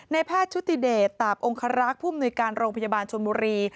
แพทย์ชุติเดชตาบองคารักษ์ผู้มนุยการโรงพยาบาลชนบุรี